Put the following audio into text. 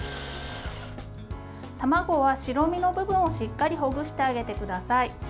卵は白身の部分をしっかりほぐしてあげてください。